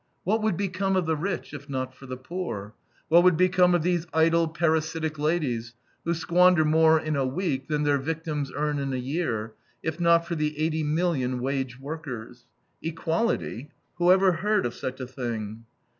What would become of the rich, if not for the poor? What would become of these idle, parasitic ladies, who squander more in a week than their victims earn in a year, if not for the eighty million wage workers? Equality, who ever heard of such a thing?